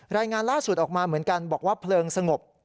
รายงานล่าสุดออกมาเหมือนกันบอกว่าเพลิงสงบ